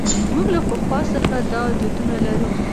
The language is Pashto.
موږ له پخوا څخه دا دودونه لرو.